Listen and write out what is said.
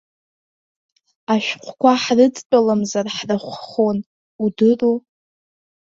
Ашәҟәқәа ҳрыдтәаламзар ҳрахәхон, удыруоу.